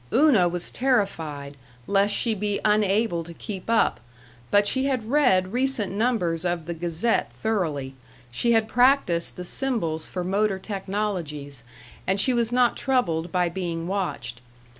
Una was terrified lest she be unable to keep up, but she had read recent numbers of the Gazette thoroughly, she had practised the symbols for motor technologies, and she was not troubled by being watched.